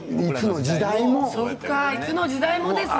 いつの時代もですね